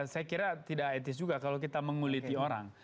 saya kira tidak etis juga kalau kita menguliti orang